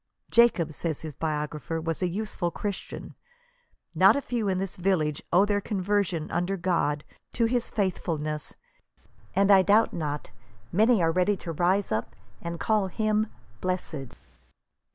"Jacob," says his biogra pher, " was a useful Christian. Not a few in this village owe their conversion, under God, to his faithfulness ; and I doubt not many are ready to rise up and call him blessed."